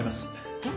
えっ？